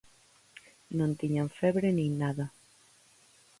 Non tiñan febre nin nada.